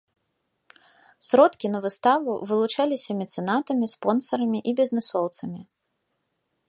Сродкі на выставу вылучаліся мецэнатамі, спонсарамі і бізнесоўцамі.